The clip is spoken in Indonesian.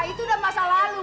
itu udah masa lalu